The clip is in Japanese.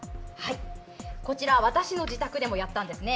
こちら私の自宅でもやったんです。